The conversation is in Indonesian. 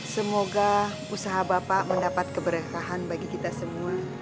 semoga usaha bapak mendapat keberkahan bagi kita semua